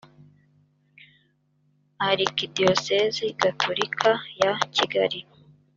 arikidiyosezi gatolika ya kigali